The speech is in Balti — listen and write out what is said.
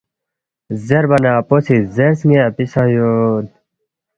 زیربا نہ اپو سی زیرس، ن٘ی اپی سہ یود